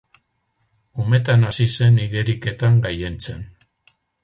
Umetan hasi zen igeriketan gailentzen.